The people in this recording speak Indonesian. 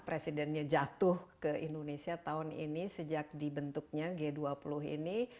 presidennya jatuh ke indonesia tahun ini sejak dibentuknya g dua puluh ini